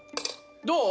どう？